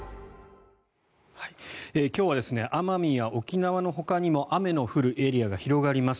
今日は奄美や沖縄のほかにも雨の降るエリアが広がります。